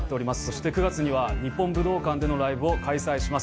９月には日本武道館でのライブを開催します。